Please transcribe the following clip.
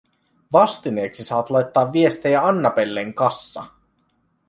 Vastineeksi saat laittaa viestejä Annabellen kassa."